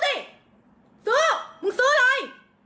ซื้อมึงซื้ออะไร